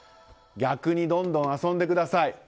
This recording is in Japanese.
逆にどんどん遊んでください。